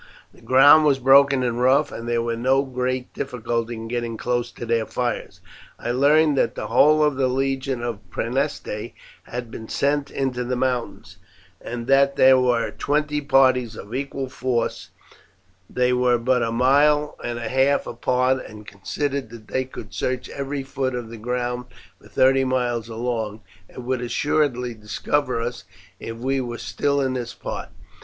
The ground was broken and rough, and there was no great difficulty in getting close to their fires. I learned that the whole of the legion at Praeneste had been sent into the mountains, and that there were twenty parties of equal force; they were but a mile and a half apart, and considered that they could search every foot of the ground for thirty miles along, and would assuredly discover us if we were still in this part.